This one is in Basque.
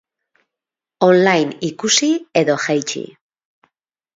On-line ikusi edo jaitsi?